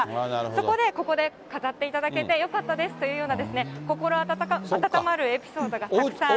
そこでここで飾っていただけてよかったですというようなですね、心温まるエピソードがたくさん飾られています。